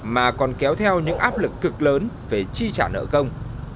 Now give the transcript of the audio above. mà còn kéo theo những áp lực cực lớn về chi trả nợ công